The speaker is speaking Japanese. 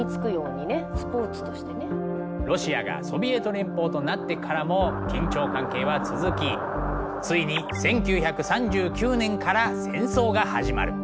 ロシアがソビエト連邦となってからも緊張関係は続きついに１９３９年から戦争が始まる。